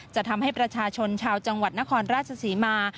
จะทำให้ประชาชนชาวจังหวัดนครราชศรีมา